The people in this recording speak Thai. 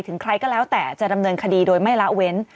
ถึงใครก็แล้วแต่จะดำเนินคดีโดยไม่ละเว้น